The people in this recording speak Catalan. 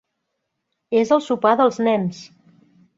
"És el sopar dels nens."